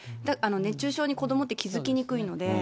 熱中症に子どもって気付きにくいので。